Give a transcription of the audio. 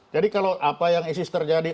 jadi kalau apa yang isis terjadi